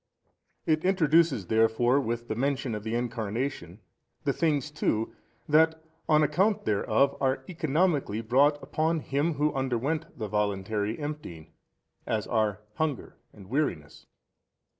A. It introduces therefore with the mention of the Incarnation the things too that on account thereof are economically brought upon Him Who underwent the voluntary emptying, as are hunger and weariness.